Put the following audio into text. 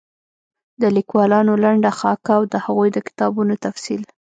د ليکوالانو لنډه خاکه او د هغوی د کتابونو تفصيل